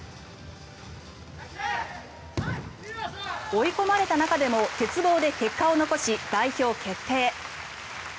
追い込まれた中でも鉄棒で結果を残し代表決定。